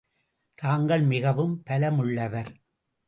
தாங்கள் மிகவும் பலமுள்ளவர்.